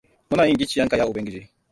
Muna yin gicciyenka, ya Ubangiji.